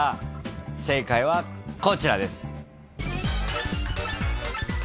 正解はこちらです。